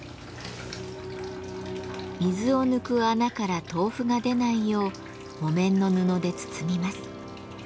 水を抜く穴から豆腐が出ないよう木綿の布で包みます。